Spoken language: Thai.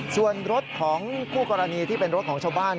ส่วนรถของคู่กรณีที่เป็นรถของชาวบ้าน